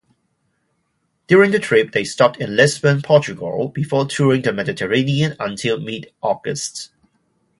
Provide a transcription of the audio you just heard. During the trip, they stopped in Lisbon, Portugal, before touring the Mediterranean until mid-August.